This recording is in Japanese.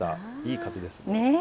いい風です。